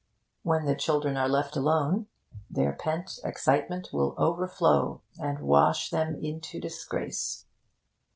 When the children are left alone, their pent excitement will overflow and wash them into disgrace.